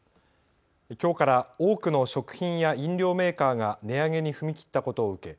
きょうから多くの食品や飲料メーカーが値上げに踏み切ったことを受け